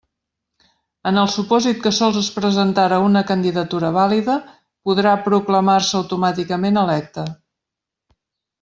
En el supòsit que sols es presentara una candidatura vàlida, podrà proclamar-se automàticament electa.